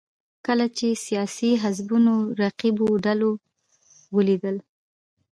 کله چې سیاسي حزبونو رقیبو ډلو ولیدل